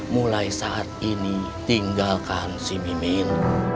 mulai saat ini tinggalkan si mimin